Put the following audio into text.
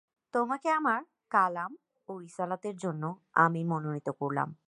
তোমাকে আমার কালাম ও রিসালাতের জন্যে আমি মনোনীত করলাম।